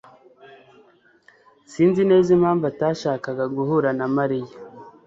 Sinzi neza impamvu atashakaga guhura na Mariya.